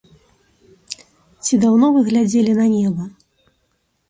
Ці даўно вы глядзелі на неба?